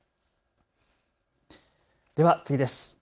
では次です。